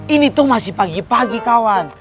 ini tuh masih pagi pagi kawan